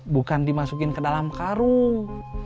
bukan dimasukin ke dalam karung